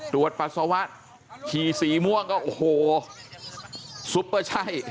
ปัสสาวะขี่สีม่วงก็โอ้โหซุปเปอร์ใช่